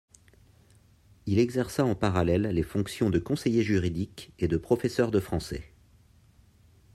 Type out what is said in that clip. Il exerça en parallèle les fonctions de conseiller juridique et de professeur de français.